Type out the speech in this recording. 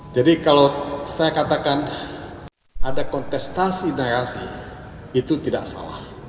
jadi kalau saya katakan ada kontestasi narasi itu tidak salah